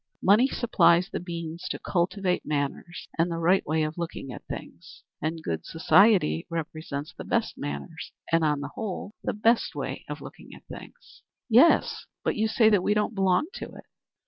Money supplies the means to cultivate manners and the right way of looking at things, and good society represents the best manners and, on the whole, the best way of looking at things." "Yes. But you say that we don't belong to it."